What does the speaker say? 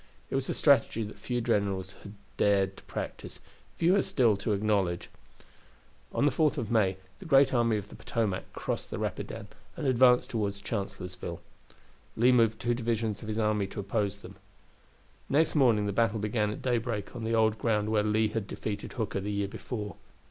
It was a strategy that few generals have dared to practice, fewer still to acknowledge. On the 4th of May the great army of the Potomac crossed the Rapidan and advanced toward Chancellorsville. Lee moved two divisions of his army to oppose them. Next morning the battle began at daybreak on the old ground where Lee had defeated Hooker the year before.